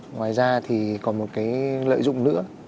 ngoài ra thì còn một cái lợi dụng nữa